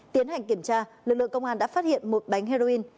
tiến hành kiểm tra lực lượng công an đã phát hiện một bánh heroin